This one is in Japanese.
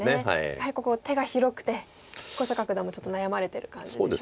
やはりここ手が広くて彦坂九段もちょっと悩まれてる感じでしょうか。